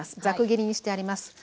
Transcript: ざく切りにしてあります。